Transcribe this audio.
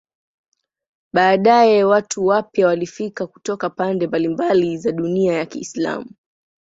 Baadaye watu wapya walifika kutoka pande mbalimbali za dunia ya Kiislamu.